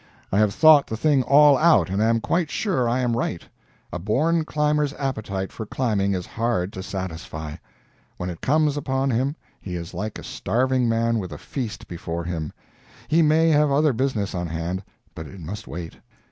I have thought the thing all out, and am quite sure I am right. A born climber's appetite for climbing is hard to satisfy; when it comes upon him he is like a starving man with a feast before him; he may have other business on hand, but it must wait.